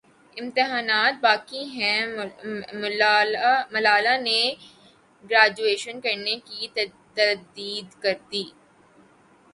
امتحانات باقی ہیں ملالہ نے گریجویشن کرنے کی تردید کردی